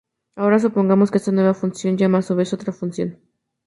Ahora supongamos que esa nueva función llama a su vez a otra función.